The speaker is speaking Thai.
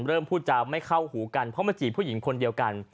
พูดจะไม่เข้าหูกันเพราะมาจีบผู้หญิงคนเดียวกัน